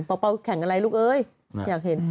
เป้าแข่งอะไรลูกเอ้ยอยากเห็น